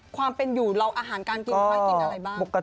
ความเป็นอยู่เราอาหารการกินได้ทำบ้าง